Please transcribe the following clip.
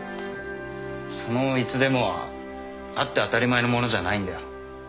その「いつでも」はあって当たり前のものじゃないんだよ